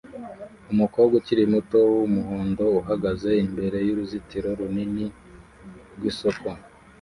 umukobwa ukiri muto wumuhondo uhagaze imbere yuruzitiro runini rwisoko